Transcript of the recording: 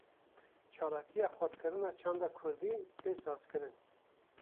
Çalakiya xurtkirina çanda Kurdî, tê sazkirin